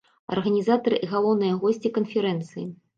Арганізатары і галоўныя госці канферэнцыі.